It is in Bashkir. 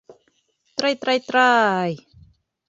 — Трай-трай-трай.